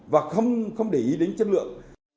và không để ý đến chất lượng